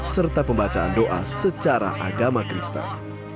serta pembacaan doa secara agama kristen